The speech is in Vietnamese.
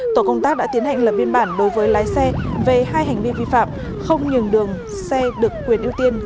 tổ công tác đã tiến hành lập biên bản đối với lái xe về hai hành vi vi phạm không nhường đường xe được quyền ưu tiên